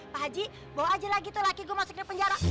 pak haji bawa aja lagi tuh laki gue masuk di penjara